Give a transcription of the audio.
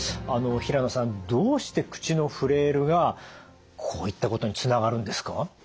あの平野さんどうして口のフレイルがこういったことにつながるんですか？